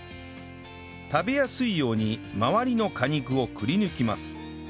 食べやすいように周りの果肉をくりぬきます